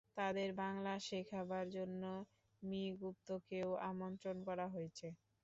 তাঁদের বাঙলা শেখাবার জন্য মি গুপ্তকেও আমন্ত্রণ করা হয়েছে।